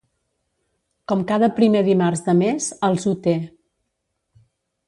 Com cada primer dimarts de mes els Ut